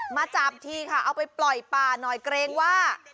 มาจับทีค่ะเอาไปปล่อยป่าหน่อยเกรงว่า